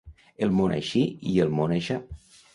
El món així i el món aixà.